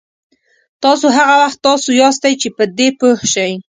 تاسو هغه وخت تاسو یاستئ چې په دې پوه شئ.